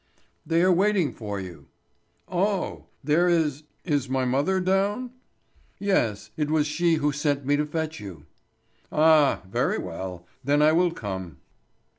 "They are waiting for you." "Oh! There is—is my mother down?" "Yes, it was she who sent me to fetch you." "Ah, very well; then I will come."